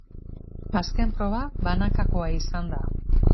Azken proba banakakoa izan da.